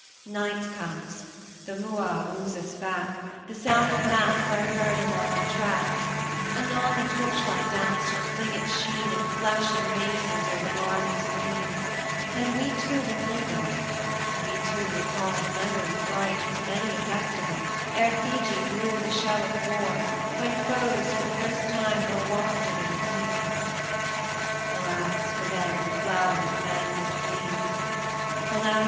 night comes, the Mooa woos us back, The sound of mats are heard along our track; 30 Anon the torchlight dance shall fling its sheen In flashing mazes o'er the Marly's green; And we too will be there; we too recall The memory bright with many a festival, Ere Fiji blew the shell of war, when foes For the first time were wafted in canoes.[fg] Alas! for them the flower of manhood bleeds; Alas!